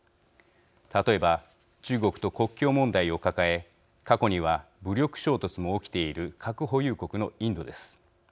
例えば、中国と国境問題を抱え過去には武力衝突も起きている核保有国のインドです。